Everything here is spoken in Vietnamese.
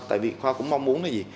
tại vì khoa cũng mong muốn là gì